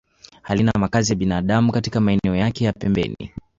Halina makazi ya binadamu katika maeneo yake ya pembeni